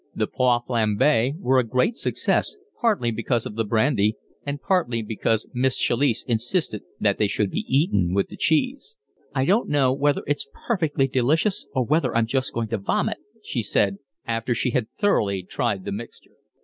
The poires flambees were a great success, partly because of the brandy, and partly because Miss Chalice insisted that they should be eaten with the cheese. "I don't know whether it's perfectly delicious, or whether I'm just going to vomit," she said, after she had thoroughly tried the mixture.